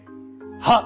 はっ。